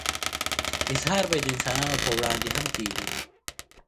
اظهار به يې د انسانانو په وړاندې هم کېږي.